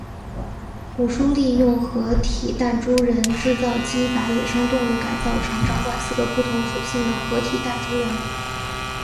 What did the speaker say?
武殊利用合体弹珠人制造机把野生动物改造成为掌管四个不同属性的合体弹珠人。